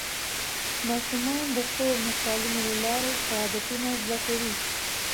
ماشومان د ښو مثالونو له لارې ښه عادتونه زده کوي